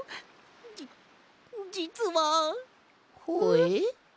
じじつは。ほえ？え？